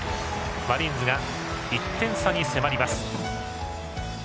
マリーンズが１点差に迫ります。